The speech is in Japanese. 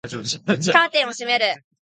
カーテンを閉める